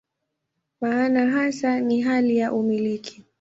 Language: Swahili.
Maana hasa ni hali ya "umiliki".